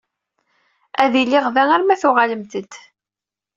Ad iliɣ da arma tuɣalemt-d.